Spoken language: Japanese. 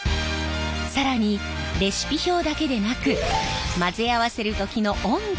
更にレシピ表だけでなく混ぜ合わせる時の温度も重要。